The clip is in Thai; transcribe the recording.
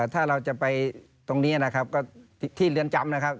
ถ้าเราจะไปตรงนี้นะครับก็ที่เรือนจำนะครับ